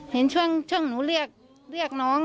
เห็นช่วงหนูเรียกน้อง